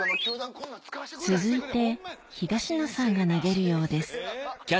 続いて東野さんが投げるようです